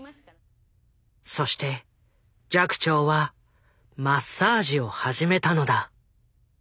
そして寂聴はマッサージを始めたのだ。